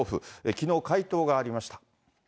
きのう、回答がありました。